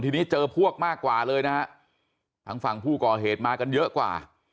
ทีนี้เจอพวกมากกว่าเลยนะฮะทางฝั่งผู้ก่อเหตุมากันเยอะกว่า